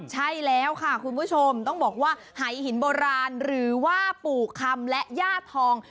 ใช่แล้วค่ะคุณผู้ชมต้องบอกว่าหายหินโบราณหรือว่าปู่คำและย่าทอง